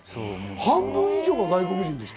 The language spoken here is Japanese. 半分以上、外国人でした。